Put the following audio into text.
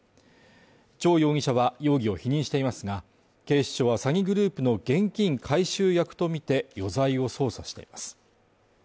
張容疑者は容疑を否認していますが、警視庁は詐欺グループの現金回収役とみて余罪を捜査しています。